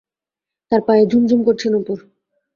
তার পায়ে ঝুমঝুম করছে নূপুর।